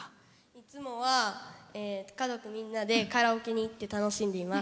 いつもは家族みんなでカラオケに行って楽しんでいます。